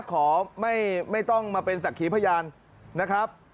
ขอไม่ต้องมาเป็นศักดิ์ขีพยานนะครับ